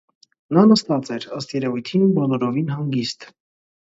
Նա նստած էր, ըստ երևույթին, բոլորովին հանգիստ: